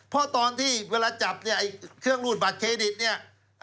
เพราะตอนที่เวลาจับเครื่องรูดบัตรเครดิตนี่